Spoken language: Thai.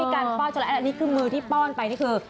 คุณคือมือที่ป้อนไป